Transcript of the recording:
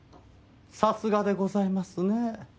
さすがでございますね。